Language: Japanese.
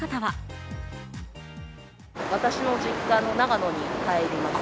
私の実家の長野に帰ります。